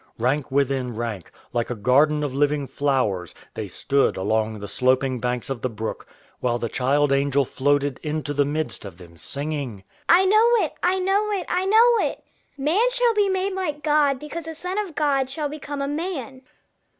Rank within rank, like a garden of living flowers, they stood along the sloping banks of the brook while the child angel floated into the midst of them, singing: "I know it, I know it, I know it! Man shall be made like God because the Son of God shall become a man."